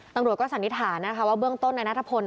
ตังรวจก็สันนิษฐานว่าเบื้องต้นในนาธพล